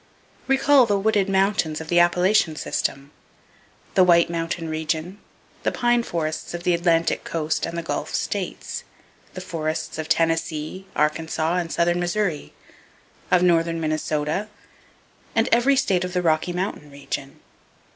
Recall the wooded mountains of the Appalachian system, the White Mountain region, the pine forests of the Atlantic Coast and the Gulf States, the forests of Tennessee, Arkansas and southern Missouri; of northern Minnesota, and every state of the Rocky Mountain region.